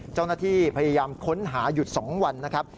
เจ้าหน้าที่พยายามค้นหาหยุด๒วันนะครับ